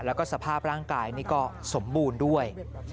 แล้วก็สภาพร่างกายนี่ก็สมบูรณ์ด้วย